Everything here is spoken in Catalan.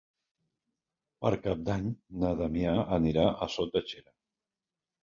Per Cap d'Any na Damià anirà a Sot de Xera.